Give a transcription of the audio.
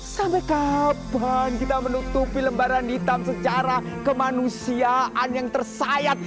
sampai kapan kita menutupi lembaran hitam secara kemanusiaan yang tersayat